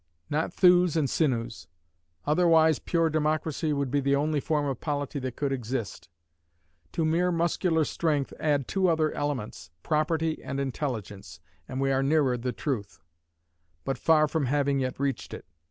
Not thews and sinews; otherwise pure democracy would be the only form of polity that could exist. To mere muscular strength, add two other elements, property and intelligence, and we are nearer the truth, but far from having yet reached it.